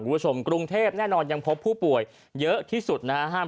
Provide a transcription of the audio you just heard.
คุณผู้ชมกรุงเทพแน่นอนยังพบผู้ป่วยเยอะที่สุดนะครับ